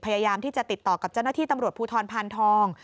พยายามที่จะติดต่อกับเจ้าหน้าที่ตำรวจภูทรพานทอง